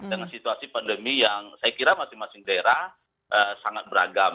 dengan situasi pandemi yang saya kira masing masing daerah sangat beragam